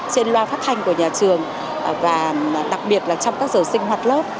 trên loa phát thanh của nhà trường và đặc biệt là trong các giờ sinh hoạt lớp